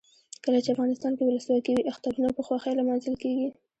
کله چې افغانستان کې ولسواکي وي اخترونه په خوښۍ لمانځل کیږي.